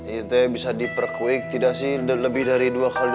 itu bisa diperkuik tidak sih lebih dari dua x dua puluh empat jam itu